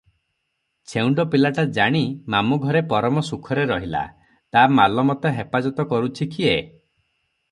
ଛେଉଣ୍ଡ ପିଲାଟି ଜାଣି ମାମୁ ଘରେ ପରମ ସୁଖରେ ରହିଲା, ତା ମାଲମତା ହେପାଜତ କରୁଛି କିଏ?